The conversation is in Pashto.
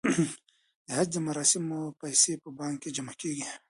د حج د مراسمو پیسې په بانک کې جمع کیږي.